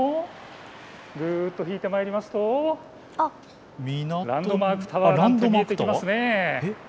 ぐっと引いてまいりますとランドマークタワーが見えてきますね。